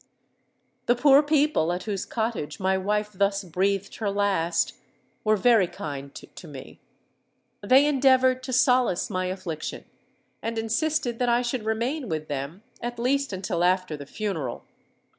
"The poor people at whose cottage my wife thus breathed her last, were very kind to me. They endeavoured to solace my affliction, and insisted that I should remain with them at least until after the funeral.